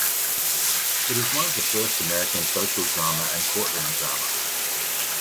It is one of the first American social drama and Courtroom drama.